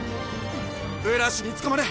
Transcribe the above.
ブラシにつかまれ！